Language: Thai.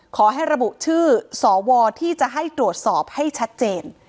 ขอให้ระบุชื่อสวที่จะให้ตรวจสอบให้ชัดเจน